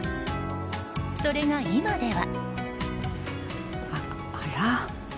それが、今では。